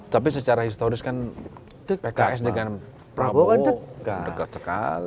tapi secara historis kan pks dengan prabowo kan dekat sekali